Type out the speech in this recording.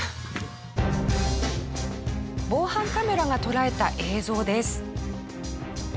防犯カメラが捉えた映像です。